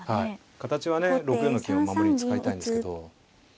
形はね６四の金を守りに使いたいんですけど。